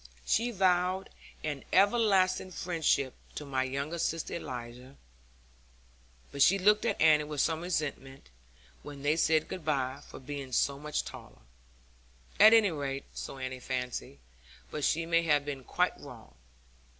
She vowed an everlasting friendship to my younger sister Eliza; but she looked at Annie with some resentment, when they said good bye, for being so much taller. At any rate so Annie fancied, but she may have been quite wrong.